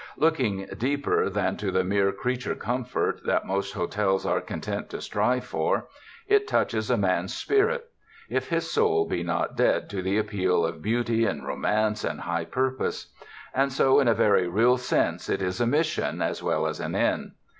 Looking deeper than to the mere creature comfort that most hotels are content to strive for, it touches a man's spirit, if his soul be not dead to the appeal of beauty and romance and high purpose; and so in a very real sense, it is a mission, as well as an inn.